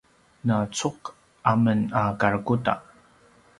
na cug a men a karakuda